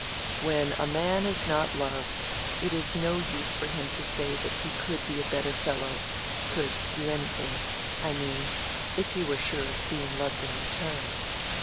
"When a man is not loved, it is no use for him to say that he could be a better fellow—could do anything—I mean, if he were sure of being loved in return."